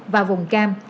vào vùng cam